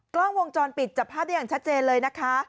กล้องวงจรปิดจับภาพได้อย่างชัดเจนเลยนะคะ